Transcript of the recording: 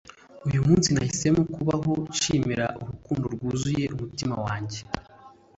uyu munsi nahisemo kubaho nshimira urukundo rwuzuye umutima wanjye